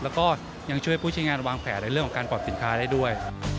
แล้วก็ยังช่วยผู้ใช้งานวางแผนในเรื่องของการปรับสินค้าได้ด้วย